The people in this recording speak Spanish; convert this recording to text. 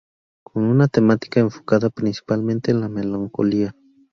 Con una temática enfocada principalmente en la melancolía.